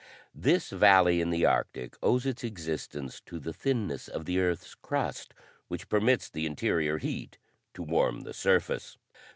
This valley in the Arctic owes its existence to the thinness of the earth's crust, which permits the interior heat to warm the surface.